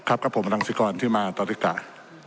ครับครับผมบรังสิกรที่มาตอนนี้ก่อน